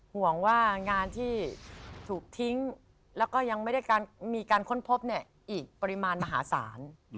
ห่วงว่างานที่ถูกทิ้งแล้วก็ยังไม่ได้มีการค้นพบเนี่ยอีกปริมาณมหาศาล